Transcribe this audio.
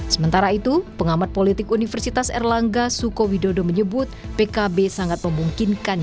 sementara itu pengamat politik universitas erlangga suko widodo menyebut pkb sangat memungkinkan